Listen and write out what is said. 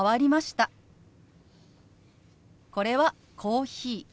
これは「コーヒー」。